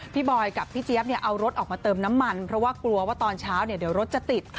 บอยกับพี่เจี๊ยบเอารถออกมาเติมน้ำมันเพราะว่ากลัวว่าตอนเช้าเดี๋ยวรถจะติด